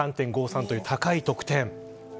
３．５３と高い得点。